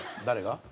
誰が？